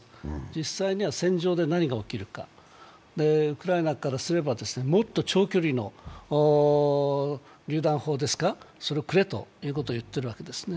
実際には戦場で何が起きるか、ウクライナからすれば、もっと長距離のりゅう弾砲をくれと言ってるわけですね。